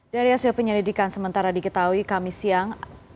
dari hasil penyelidikan sementara diketahui kami siang